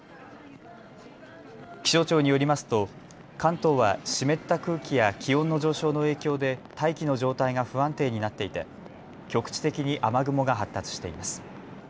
気象庁によりますと関東は湿った空気や気温の上昇の影響で大気の状態が不安定になっていて局地的に雨雲が発達しています。